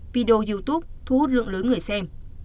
video youtube thu hút lượng lớn người xem